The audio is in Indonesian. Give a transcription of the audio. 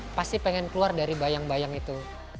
saya pasti pengen keluar dari bayang bayang itu